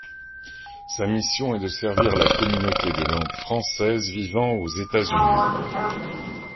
Sa mission est de servir la communauté de langue française vivant aux États-Unis.